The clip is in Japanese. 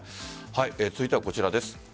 続いてはこちらです。